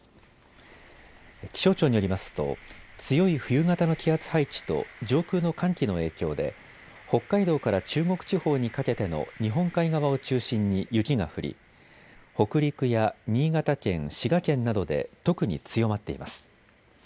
気象庁によりますと強い冬型の気圧配置と上空の寒気の影響で北海道から中国地方にかけての日本海側を中心に雪が降り、北陸や新潟県、滋賀県などで特に強まっています。